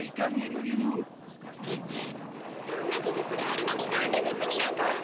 くっそんなぎじゅつがあるのになんでぬすみなんか！？